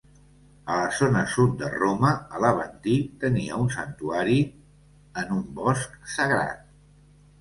A la zona sud de Roma, a l'Aventí, tenia un santuari en un bosc sagrat.